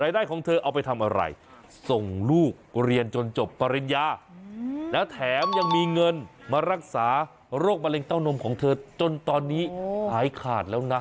ได้ของเธอเอาไปทำอะไรส่งลูกเรียนจนจบปริญญาแล้วแถมยังมีเงินมารักษาโรคมะเร็งเต้านมของเธอจนตอนนี้หายขาดแล้วนะ